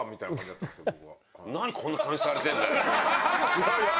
いやいや！